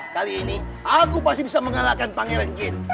kali ini aku pasti bisa mengalahkan pangeran jin